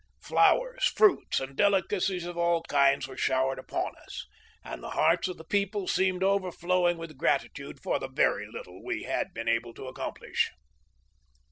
Flowers, fruits, and delicacies of all kinds were showered upon us, and the hearts of the people seemed overflow ing with gratitude for the very little we had been able to accomplish.